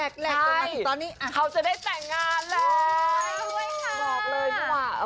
เขาจะได้แต่งงานแล้ว